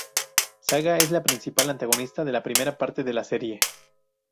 Saga es el principal antagonista de la primera parte de la serie.